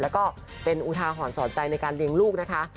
แล้วก็เป็นอุทาหรณ์สอนใจในการเลี้ยงลูกนะคะ